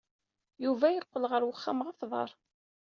Yuba yeqqel ɣer uxxam ɣef uḍar.